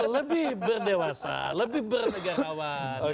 lebih berdewasa lebih bernegara awal